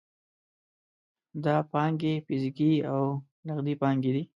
دا پانګې فزیکي او نغدي پانګې دي.